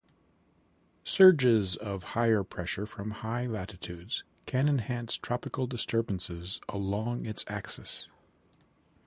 Surges of higher pressure from high latitudes can enhance tropical disturbances along its axis.